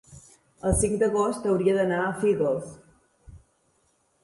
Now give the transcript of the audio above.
el cinc d'agost hauria d'anar a Fígols.